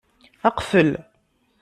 Qfel.